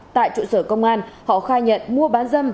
tại trụ sở công an họ khai nhận mua bán dâm